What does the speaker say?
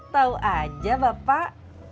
tau aja bapak